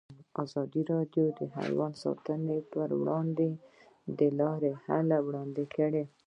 ازادي راډیو د حیوان ساتنه پر وړاندې د حل لارې وړاندې کړي.